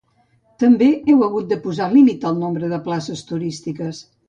També heu hagut de posar límit al nombre de places turístiques.